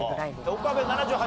岡部７８。